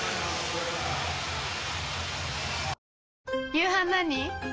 夕飯何？